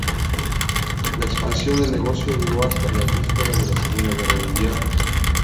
La expansión del negocio duró hasta las vísperas de la Segunda Guerra Mundial.